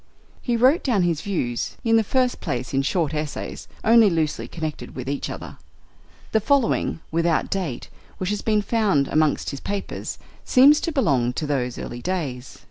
He wrote down his views, in the first place, in short essays, only loosely connected with each other. The following, without date, which has been found amongst his papers, seems to belong to those early days.